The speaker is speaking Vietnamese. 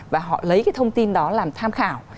và họ lấy cái thông tin đó làm tham khảo